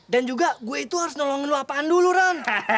dan juga gue itu harus nolongin lo apaan dulu ren